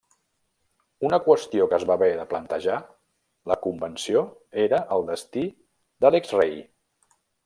Una qüestió que es va haver de plantejar la Convenció era el destí de l'exrei.